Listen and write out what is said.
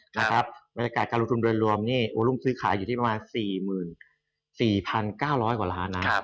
บรรยากาศการลงทุนโดยรวมนี่วอลุมซื้อขายอยู่ที่ประมาณ๔๔๙๐๐กว่าล้านนะ